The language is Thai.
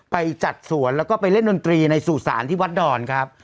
ไปจัดสวนแล้วก็ไปเล่นดนตรีในสู่สารที่วัดดอนครับ